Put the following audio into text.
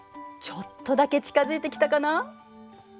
ちょっとだけ近づいてきたかな。